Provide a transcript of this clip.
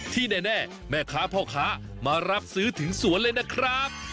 ที่แน่แม่ค้าพ่อค้ามารับซื้อถึงสวนเลยนะครับ